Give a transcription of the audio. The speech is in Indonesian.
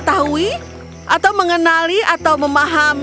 tidak ada yang tidak ada yang tidak ada yang tidak ada yang